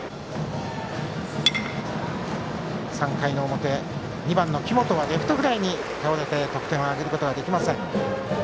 ３回の表、２番の紀本はレフトフライに倒れて得点を挙げることはできません。